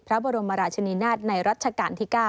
พระบรมราชนีนาฏในรัชกาลที่๙